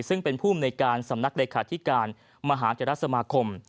ซึ่งเป็นผู้อำนวยการสำนักเลขาธิการมหาเจรสมาคม